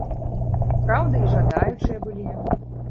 Праўда, і жадаючыя былі.